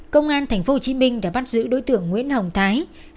công an tp hcm đã bắt giữ đối tượng nguyễn hồng thái